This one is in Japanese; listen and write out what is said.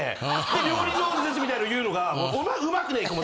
で料理上手ですみたいな言うのがお前うまくねえ。